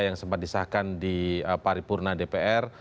yang sempat disahkan di paripurna dpr